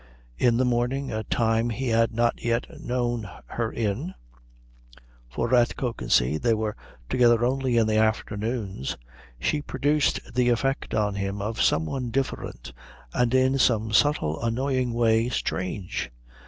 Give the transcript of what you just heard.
In the morning, a time he had not yet known her in, for at Kökensee they were together only in the afternoons, she produced the effect on him of some one different and in some subtle annoying way strange.